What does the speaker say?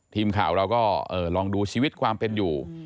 ทีมข่าวเราก็ลองดูชีวิตความเป็นอยู่